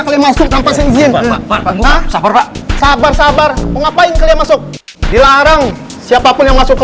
kalian masuk tanpa izin sabar sabar ngapain kalian masuk dilarang siapapun yang masuk ke